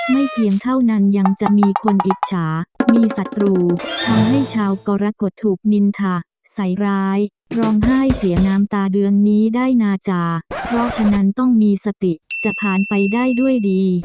เพียงเท่านั้นยังจะมีคนอิจฉามีศัตรูทำให้ชาวกรกฎถูกนินค่ะใส่ร้ายร้องไห้เสียน้ำตาเดือนนี้ได้นาจาเพราะฉะนั้นต้องมีสติจะผ่านไปได้ด้วยดี